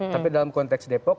tapi dalam konteks depok